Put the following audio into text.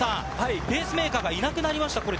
ペースメーカーがいなくなりました。